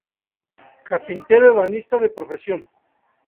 Carpintero-ebanista de profesión.